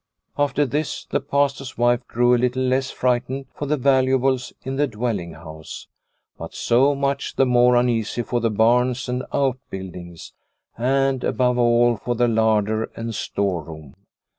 After this the Pastor's wife grew a little less frightened for the valuables in the dwelling house, but so much the more uneasy for the barns and out buildings, and above all, for the larder and storeroom.